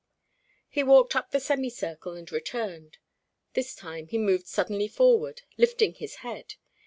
He walked up the semi circle and returned. This time he moved suddenly forward, lifting his head.